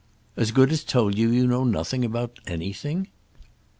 "As good as told you you know nothing about anything?"